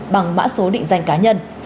bằng mã số định danh cá nhân